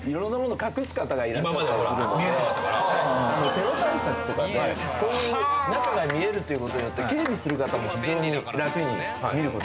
テロ対策とかが中が見えることによって警備する方も非常に楽に見ることができる。